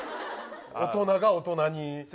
大人が大人に。